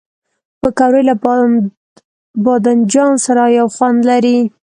پکورې له بادنجان سره یو خوند لري